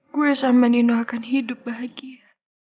gue sama nino akan hidup bahagia